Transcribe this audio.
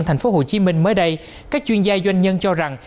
thành phố hồ chí minh mới đây các chuyên gia doanh nhân cho rằng